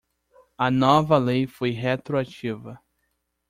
A nova lei foi retroativa.